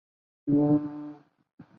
类花岗园蛛为园蛛科园蛛属的动物。